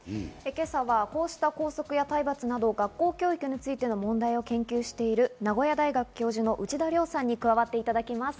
今朝はこうした校則や、体罰など学校教育ついての問題を研究している、名古屋大学教授の内田良さんに加わっていただきます。